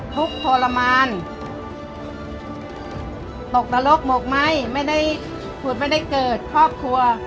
ทุกข์ทรมานตกนรกหมกไหมไม่ได้ขุดไม่ได้เกิดครอบครัว